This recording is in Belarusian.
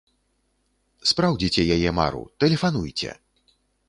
Спраўдзіце яе мару, тэлефануйце!